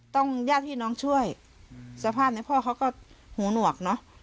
ต้องญาติให้น้องช่วยสภาพในพ่อเขาก็หัวหนวกเนาะ